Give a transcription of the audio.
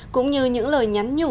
cũng như những lời nhắn nhủ